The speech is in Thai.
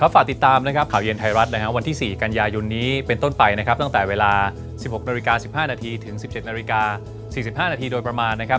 ฝากติดตามนะครับข่าวเย็นไทยรัฐวันที่๔กันยายุนนี้เป็นต้นไปนะครับตั้งแต่เวลา๑๖น๑๕นถึง๑๗น๔๕นโดยประมาณนะครับ